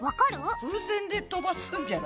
風船で飛ばすんじゃない？